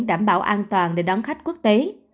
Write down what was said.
đảm bảo an toàn để đón khách quốc tế